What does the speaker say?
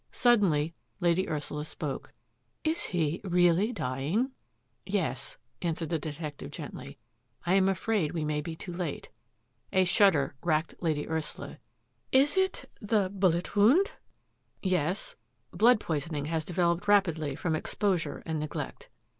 Suddenly Lady Ursula spoke. " Is he — really dying?'' " Yes," answered the detective gently. " I am afraid we may be too late." A shudder racked Lady Ursula. " It is — the bullet wound? "" Yes ; blood poisoning has developed rapidly from exposure and neglect."